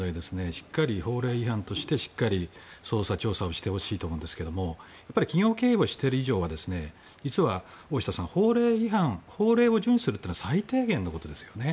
しっかり法令違反として捜査、調査をしてほしいと思いますが企業経営をしている以上は実は、大下さん法令を順守するのは最低限のことですよね。